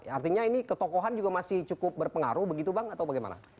artinya ini ketokohan juga masih cukup berpengaruh begitu bang atau bagaimana